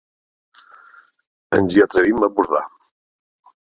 Ens hi atrevim, a bordar.